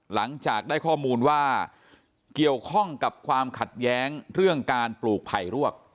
หลังจากได้ข้อมูลว่าเกี่ยวข้องกับความขัดแย้งเรื่องการปลูกไผ่รวก